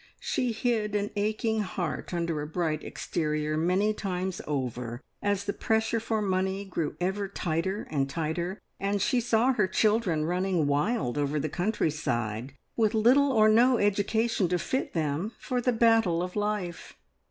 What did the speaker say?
She hid an aching heart under a bright exterior many times over, as the pressure for money grew ever tighter and tighter, and she saw her children running wild over the countryside, with little or no education to fit them for the battle of life.